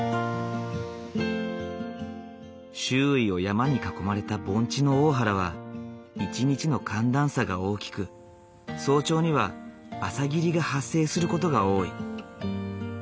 周囲を山に囲まれた盆地の大原は一日の寒暖差が大きく早朝には朝霧が発生する事が多い。